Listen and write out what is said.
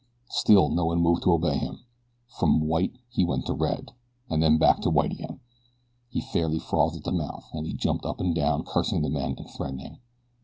Still no one moved to obey him. From white he went to red, and then back to white again. He fairly frothed at the mouth as he jumped up and down, cursing the men, and threatening.